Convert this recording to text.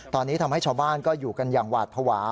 ตอนนี้ทำให้ชาวบ้านก็อยู่กันอย่างหวาดภาวะ